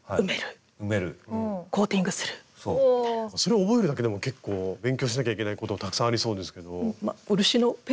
それを覚えるだけでも結構勉強しなきゃいけないことがたくさんありそうですけど。